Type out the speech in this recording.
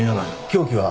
凶器は？